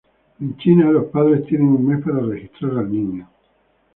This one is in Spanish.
En China, los padres tienen un mes para registrar al niño.